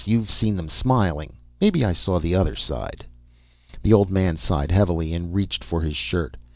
You've seen them smiling, maybe. I saw the other side." The old man sighed heavily and reached for his shirt.